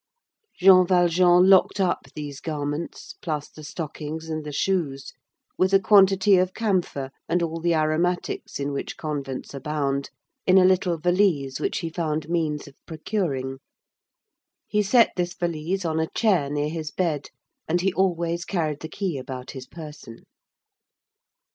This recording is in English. Jean Valjean locked up these garments, plus the stockings and the shoes, with a quantity of camphor and all the aromatics in which convents abound, in a little valise which he found means of procuring. He set this valise on a chair near his bed, and he always carried the key about his person.